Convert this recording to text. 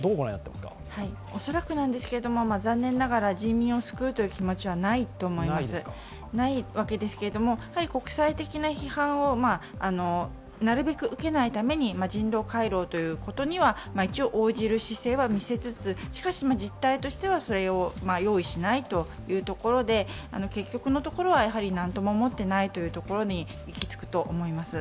おそらくなんですけれども残念ながら人民を救う気持ちはないと思いますないわけですけれども、国際的な批判をなるべく受けないために人道回廊ということには一応応じる姿勢は見せつつ、実態としてはそれを用意しないというところで、結局のところはやはり、何とも思っていないというところに行き着くと思います。